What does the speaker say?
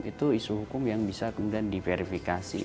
itu isu hukum yang bisa kemudian diverifikasi